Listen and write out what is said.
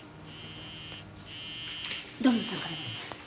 土門さんからです。